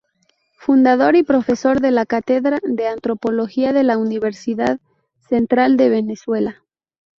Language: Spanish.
Fundador y profesor de la cátedra de antropología de la Universidad Central de Venezuela.